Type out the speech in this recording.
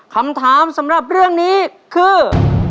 คำถามสำหรับเรื่องนี้คือ